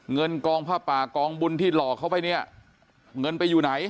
เงินกองผ้าป่ากองบุญที่หลอกเขาไปเนี่ยเงินไปอยู่ไหน